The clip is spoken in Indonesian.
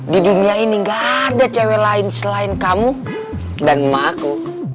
di dunia ini gak ada cewek lain selain kamu dan emakku